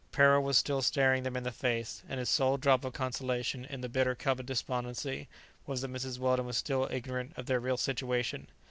Peril was still staring them in the face, and his sole drop of consolation in the bitter cup of despondency was that Mrs. Weldon was still ignorant of their real situation.